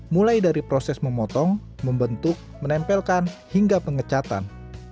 mulai dari proses memotong membentuk menempelkan hingga pengecatan